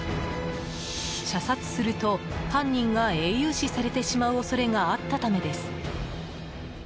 射殺すると犯人が英雄視されてしまう恐れがあったためです。